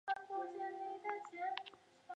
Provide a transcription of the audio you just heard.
以下是知名的网页浏览器的列表。